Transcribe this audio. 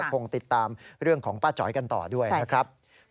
คงติดตามเรื่องของป้าจ๋อยกันต่อด้วยนะครับ